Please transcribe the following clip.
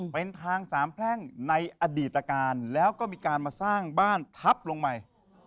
เป็นทางสามแพร่งในอดีตการแล้วก็มีการมาสร้างบ้านทับลงใหม่